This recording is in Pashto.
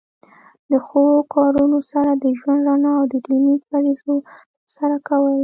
د ښو کارونو سره د ژوند رڼا او د دینی فریضو تر سره کول.